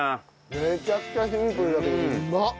めちゃくちゃシンプルだけどうまっ！